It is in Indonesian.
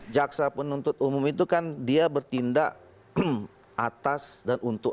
jaksa penuntut umum itu kan dia bertindak atas dan untuk